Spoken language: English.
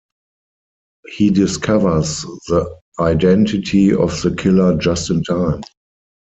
He discovers the identity of the killer just in time.